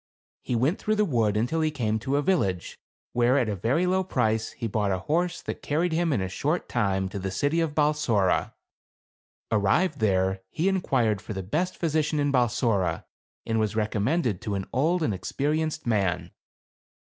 He went through the wood until he came to a village, where at a very low price, he bought a horse that carried him in a short time to the city of Balsora. Ar rived there he inquired for the best physician in Balsora, and was recommended to an old and experienced man.